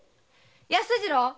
安次郎！